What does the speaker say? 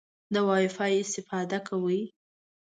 د وای فای استفاده کوئ؟